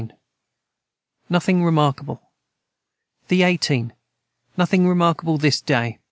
Nothing remarkable. the 18. Nothing remarkable this day.